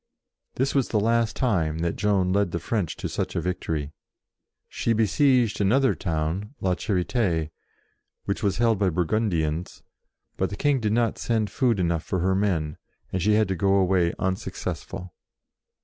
This was the last time that Joan led the French to such a victory. She besieged another town, La Charite", which was held by Burgun dians, but the King did not send food enough for her men, and she had to go away unsuccessful.